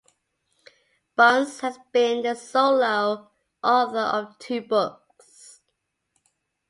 Bunce has been the solo author of two books.